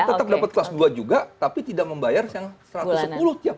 tetap dapat kelas dua juga tapi tidak membayar yang rp satu ratus sepuluh tiap